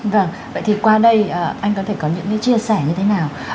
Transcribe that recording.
vậy thì qua đây anh có thể có những cái chia sẻ như thế nào